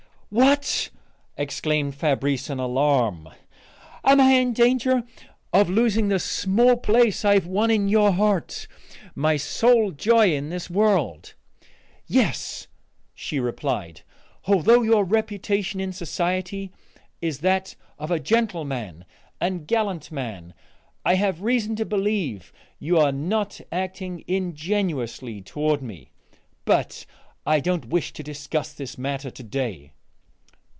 "What!" exclaimed Fabrice, in alarm, "am I in danger of losing the small place I have won in your heart, my sole joy in this world?" "Yes," she replied. "Although your reputation in society is that of a gentleman and gallant man, I have reason to believe you are not acting ingenuously toward me. But I don't wish to discuss this matter to day."